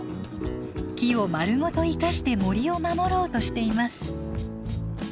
木をまるごと生かして森を守ろうとしています。